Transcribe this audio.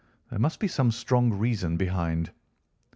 There must be some strong reason behind."